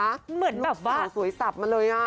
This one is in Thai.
เหมือนแบบบ่าสวยสับมาเลย